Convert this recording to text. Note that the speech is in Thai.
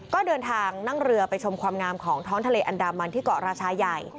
ก็เดินทางนั่งเรือไปชมความงามของท้องทะเลอันดามันที่เกาะราชาใหญ่